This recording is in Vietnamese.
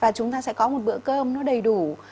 và chúng ta sẽ có một bữa cơm nó đầy đủ